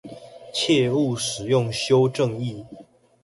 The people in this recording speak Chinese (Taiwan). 切勿使用修正液